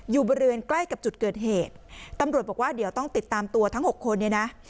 อยู่บริเวณใกล้กับจุดเกิดเหตุตำรวจบอกว่าเดี๋ยวต้องติดตามตัวทั้งหกคนเนี่ยนะ